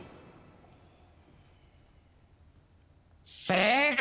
正解！